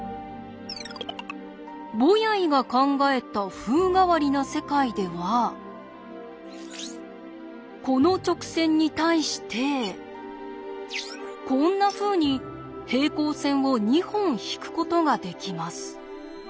ボヤイが考えた風変わりな世界ではこの直線に対してこんなふうに平行線を２本引くことができます。